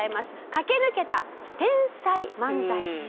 駆け抜けた天才漫才師。